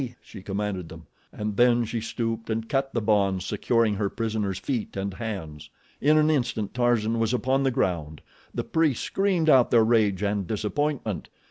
she commanded them and then she stooped and cut the bonds securing her prisoner's feet and hands. In an instant Tarzan was upon the ground. The priests screamed out their rage and disappointment.